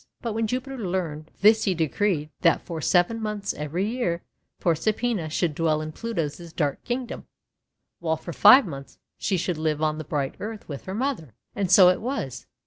But when Jupiter learned this he decreed that for seven months every year Proserpina should dwell in Pluto's dark Kingdom, while for five months she should live on the bright earth with her mother. And so it was.